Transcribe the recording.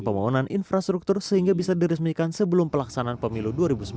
pembangunan infrastruktur sehingga bisa diresmikan sebelum pelaksanaan pemilu dua ribu sembilan belas